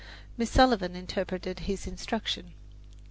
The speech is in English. Miss Sullivan interpreted his instruction.